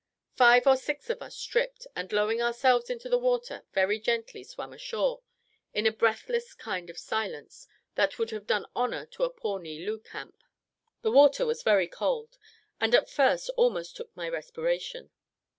Five or six of us stripped, and lowering ourselves into the water, very gently swam ashore, in a breathless kind of silence, that would have done honour to a Pawnee Loup Indian. The water was very cold, and at first almost took away my respiration.